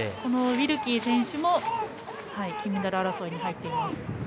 ウィルキー選手も金メダル争いに入っています。